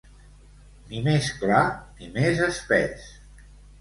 Ni més clar, ni més espés.